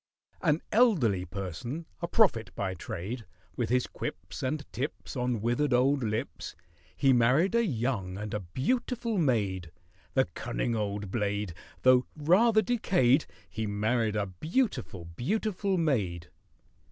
AN elderly person—a prophet by trade— With his quips and tips On withered old lips, He married a young and a beautiful maid; The cunning old blade! Though rather decayed, He married a beautiful, beautiful maid.